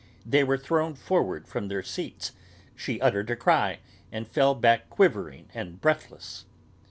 They were thrown forward from their seats; she uttered a cry, and fell back quivering and breathless.